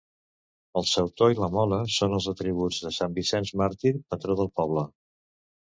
El sautor i la mola són els atributs de sant Vicenç màrtir, patró del poble.